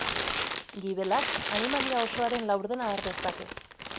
Gibelak animalia osoaren laurdena har dezake.